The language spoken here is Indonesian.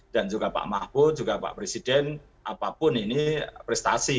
dan juga pak mahfud juga pak presiden apapun ini prestasi